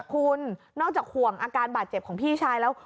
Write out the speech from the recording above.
คุณนอกจากห่วงอาการบาดเจ็บของพี่ชายแล้ว